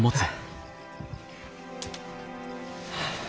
はあ。